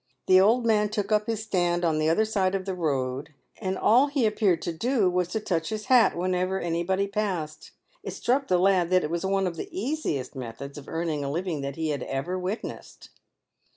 The old man took up his stand on the other side of the road, and all he appeared to do was to touch his hat whenever anybody passed. It struck the lad that it was one of the easiest methods of earning a living that he had ever witnessed.